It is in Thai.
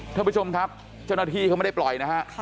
ท่านผู้ชมครับเจ้าหน้าที่เขาไม่ได้ปล่อยนะฮะ